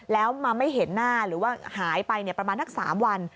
แล้วมาไม่เห็นหน้าหรือว่าหายไปประมาณนัก๓วัน